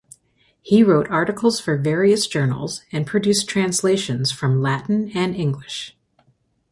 He wrote articles for various journals and produced translations from Latin and English.